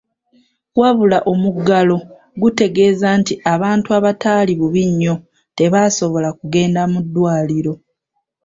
Wabula omuggalo gutegeeza nti abantu abataali bubi nnyo tebaasabola kugenda mu ddwaliro.